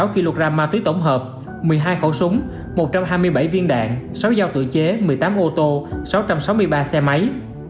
bảy trăm một mươi bảy một mươi sáu kg ma túy tổng hợp một mươi hai khẩu súng một trăm hai mươi bảy viên đạn sáu giao tự chế một mươi tám ô tô sáu trăm sáu mươi ba xe máy